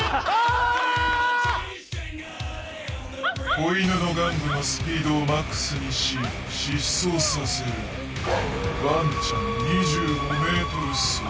子犬の玩具のスピードをマックスにし疾走させる「ワンちゃん２５Ｍ走」。